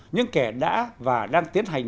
những kẻ đã và đang tiến hành